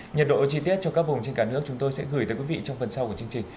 nhiệt độ chi tiết cho các vùng trên cả nước chúng tôi sẽ gửi tới quý vị trong phần sau của chương trình